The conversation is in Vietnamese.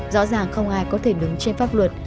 rõ ràng không ai có thể đứng trên pháp luật